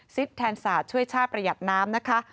แทนศาสตร์ช่วยชาติประหยัดน้ำนะคะ